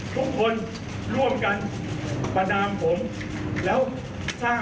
ซึ่งกระน่องก็จะไปก่อนที่ท่าน